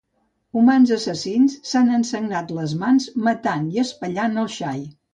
Humans assassins s'han ensagnat les mans matant i espellant el xai.